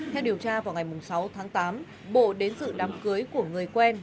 theo điều tra vào ngày sáu tháng tám bộ đến dự đám cưới của người quen